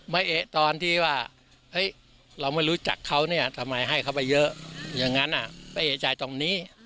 เอ๊ะตอนที่ว่าเราไม่รู้จักเขาเนี่ยทำไมให้เขาไปเยอะอย่างนั้นไม่เอกใจตรงนี้